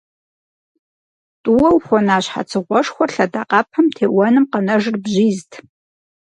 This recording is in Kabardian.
ТӀууэ ухуэна щхьэцыгъуэшхуэр лъэдакъэпэм теуэным къэнэжыр бжьизт.